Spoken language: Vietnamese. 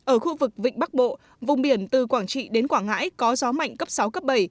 ở khu vực vịnh bắc bộ vùng biển từ quảng trị đến quảng ngãi có gió mạnh cấp sáu cấp bảy